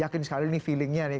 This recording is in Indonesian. yakin sekali nih feelingnya nih